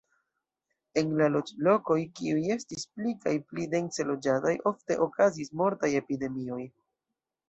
En la loĝlokoj, kiuj estis pli kaj pli dense loĝataj, ofte okazis mortaj epidemioj.